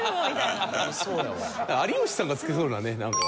有吉さんがつけそうなねなんか。